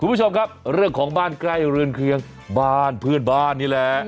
คุณผู้ชมครับเรื่องของบ้านใกล้เรือนเคียงบ้านเพื่อนบ้านนี่แหละ